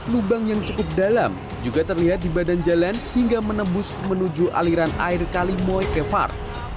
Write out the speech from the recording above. lubang yang cukup dalam juga terlihat di badan jalan hingga menembus menuju aliran air kalimoy ke far